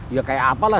ya kayak apalah